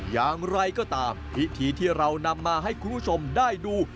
อย่างไรก็ตามพิธีที่เรานำมาให้คุณผู้ชมได้ดู